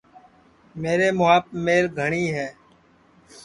میرے مُُوھاپ میل گھٹؔی ہے